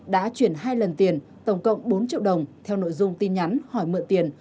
đã chuyển hai lần tiền tổng cộng bốn triệu đồng theo nội dung tin nhắn hỏi mượn tiền